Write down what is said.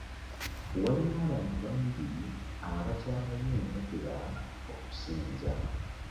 Waliyo abantu bangi abakyalayo entakera okusinza.